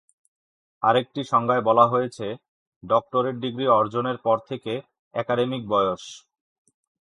আরেকটি সংজ্ঞায় বলা হয়েছে, ডক্টরেট ডিগ্রি অর্জনের পর থেকে একাডেমিক বয়স।